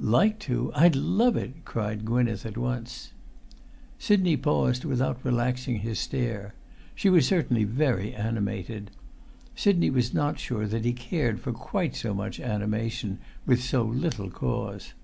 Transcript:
"Like to? I'd love it!" cried Gwynneth at once. Sidney paused, without relaxing his stare. She was certainly very animated. Sidney was not sure that he cared for quite so much animation with so little cause.